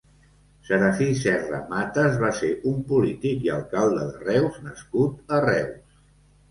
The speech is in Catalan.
Serafí Serra Matas va ser un polític i alcalde de Reus nascut a Reus.